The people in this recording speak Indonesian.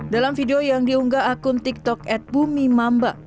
dalam video yang diunggah akun tiktok at bumi mamba